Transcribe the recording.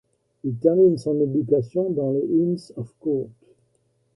Il termine son éducation dans les Inns of Court.